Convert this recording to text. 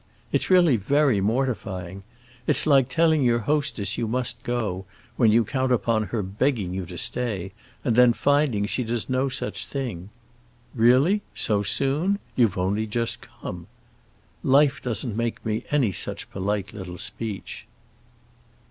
It's really very mortifying. It's like telling your hostess you must go, when you count upon her begging you to stay, and then finding she does no such thing. 'Really—so soon? You've only just come!' Life doesn't make me any such polite little speech."